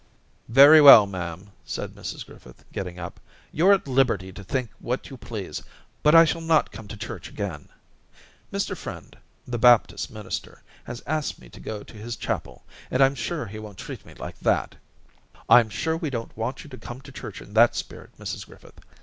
•Very well, ma'am,' said Mrs Griffith, getting up. * You're at liberty to think what you please, but I shall not come to church again. Mr Friend, the Baptist minister, has asked me to go to his chapel, and I'm sure he won't treat me like that.' * I'm sure we don't want you to come to church in that spirit, Mrs Griffith.